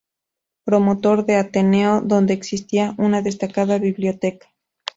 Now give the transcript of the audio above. Promotor del Ateneo donde existía una destacada biblioteca.